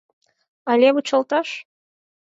Але вучалташ?